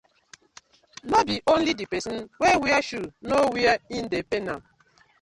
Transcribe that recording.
No be only di person wey wear shoe know where e dey pain am.